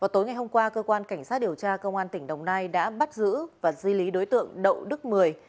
tối ngày hôm qua cơ quan cảnh sát điều tra công an tỉnh đồng nai đã bắt giữ và di lý đối tượng đậu đức mười